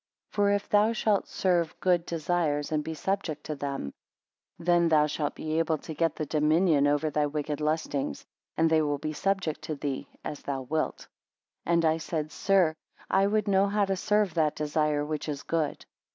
9 For if thou shalt serve good desires, and be subject to them; then thou shalt be able to get the dominion over thy wicked lustings; and they will be subject to thee, as thou wilt. 10 And I said, Sir, I would know how to serve that desire which is good?